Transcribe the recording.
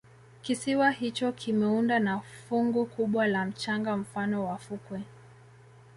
kisiwa hicho kimeunda na fungu kubwa la mchanga mfano wa fukwe